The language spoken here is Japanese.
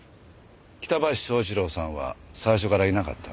北林昭一郎さんは最初からいなかった。